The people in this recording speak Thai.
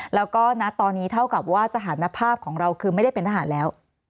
แล้วก็ณตอนนี้เท่ากับว่าสถานภาพของเราคือไม่ได้เป็นทหารแล้ว